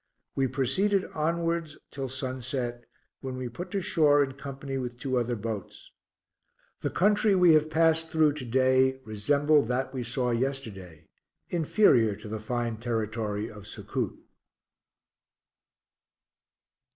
We proceeded onwards till sunset, when we put to shore in company with two other boats. The country we have passed through to day resembled that we saw yesterday, inferior to the fine territory of Succoot.